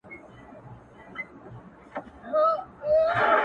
څنگه ساز دی څه مستې ده، څه شراب دي~